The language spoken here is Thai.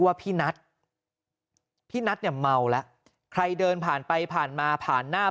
ว่าพี่นัทพี่นัทเนี่ยเมาแล้วใครเดินผ่านไปผ่านมาผ่านหน้า